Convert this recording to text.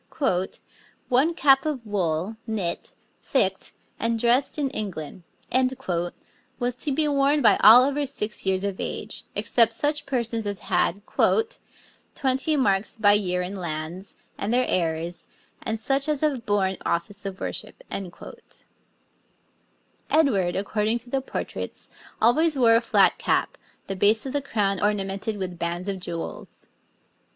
'One cap of wool, knit, thicked, and dressed in England,' was to be worn by all over six years of age, except such persons as had 'twenty marks by year in lands, and their heirs, and such as have borne office of worship.' Edward, according to the portraits, always wore a flat cap, the base of the crown ornamented with bands of jewels.